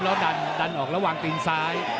แล้วดันออกระหว่างตีนซ้าย